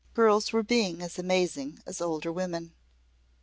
Girls were being as amazing as older women.